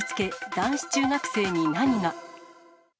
男子中学生に何が？